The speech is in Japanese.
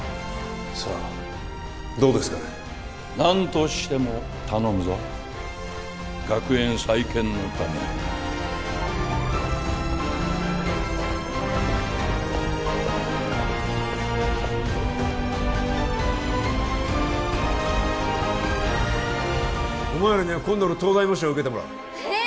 さあどうですかね何としても頼むぞ学園再建のためにお前らには今度の東大模試を受けてもらうえ